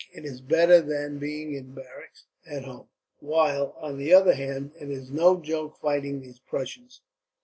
It is better than being in barracks, at home. "While, on the other hand, it is no joke fighting these Prussians.